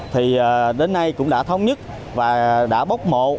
thì đến nay cũng đã thống nhất và đã bốc mộ